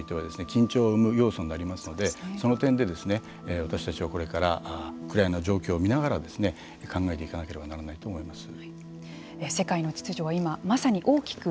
緊張を生む要素になりますのでその点で私たちは、これからウクライナ状況を見ながら考えていかなければならないと思います。